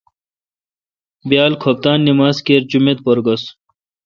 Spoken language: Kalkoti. بیال کُھپتان نما ز کر جما ت پر گُس۔